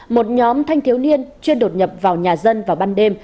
một nhóm thanh thiếu niên chuyên đột nhập vào nhà dân vào ban đêm